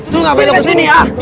itu nggak boleh lepas gini ah